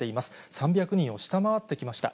３００人を下回ってきました。